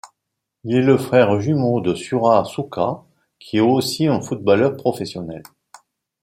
Il est le frère jumeau de Surat Sukha, qui est aussi un footballeur professionnel.